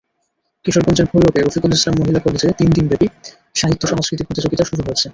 কিশোরগঞ্জের ভৈরবে রফিকুল ইসলাম মহিলা কলেজে তিন দিনব্যাপী সাহিত্য-সংস্কৃতি প্রতিযোগিতা শুরু হয়েছে।